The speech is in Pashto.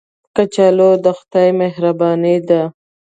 کچالو د خدای مهرباني ده